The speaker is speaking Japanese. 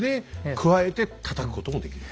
加えてたたくこともできると。